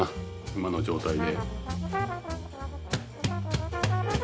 今の状態で。